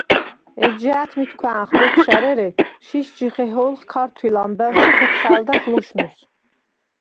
ეჯჟა̄̈თმითქუ̂ა̄̈ნხ ბოფშა̈რ ერე, შიშდ ჟიხეჰო̄ლხ ქართუ̂ილ ამბა̈უ̂ს ი ხეთხა̄̈ლდახ ლუშნუს.